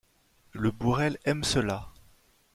Le bourrel aime cela.